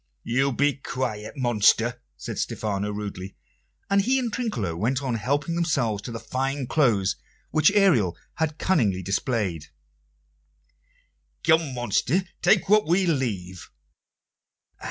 "You be quiet, monster," said Stephano rudely; and he and Trinculo went on helping themselves to the fine clothes which Ariel had cunningly displayed. "Come, monster, take what we leave."